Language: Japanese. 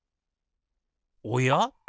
おや？